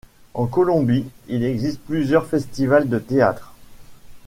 En Colombie, il existe plusieurs festivals de théâtre.